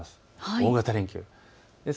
大型連休です。